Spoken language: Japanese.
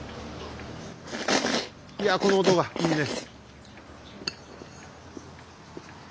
いやこの音がいいね！